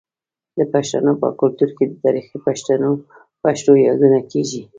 د پښتنو په کلتور کې د تاریخي پیښو یادونه کیږي.